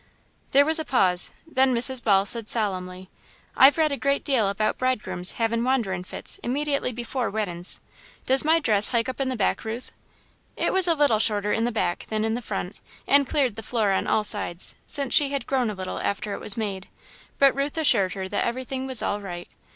There was a pause, then Mrs. Ball said solemnly: "I've read a great deal about bridegrooms havin' wanderin' fits immediately before weddin's. Does my dress hike up in the back, Ruth?" It was a little shorter in the back than in the front and cleared the floor on all sides, since she had grown a little after it was made, but Ruth assured her that everything was all right.